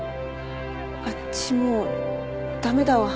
あっちもう駄目だわ。